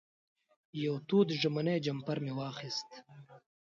یو تود ژمنی جمپر مې واخېست.